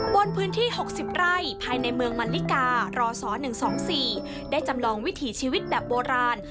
บนพื้นที่๖๐ไร่ภายในเมืองมันลิการรศ๑๒๔ได้จำลองวิถีชีวิตแบบโบราณ